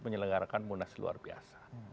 menyelenggarakan munas luar biasa